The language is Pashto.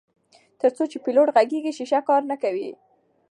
تر څو چې پیلوټ غږیږي شیشه کار نه کوي.